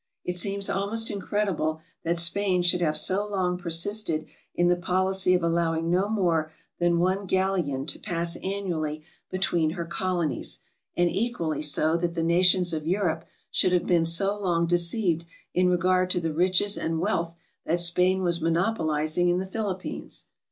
It seems almost incredible that Spain should have so long persisted in the policy of allowing no more than one 406 TRAVELERS AND EXPLORERS galleon to pass annually between her colonies, and equally so that the nations of Europe should have been so long de ceived in regard to the riches and wealth that Spain was monopolizing in the Philippines.